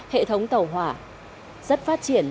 hệ thống tàu hỏa rất phát triển